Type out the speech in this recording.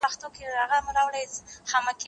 زه مخکي سیر کړی و،